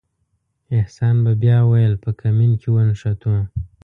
احسان به بیا ویل په کمین کې ونښتو.